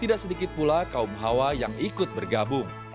tidak sedikit pula kaum hawa yang ikut bergabung